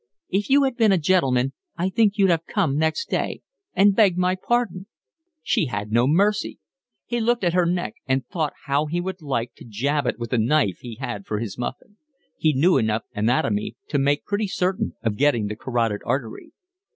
"If you had been a gentleman I think you'd have come next day and begged my pardon." She had no mercy. He looked at her neck and thought how he would like to jab it with the knife he had for his muffin. He knew enough anatomy to make pretty certain of getting the carotid artery.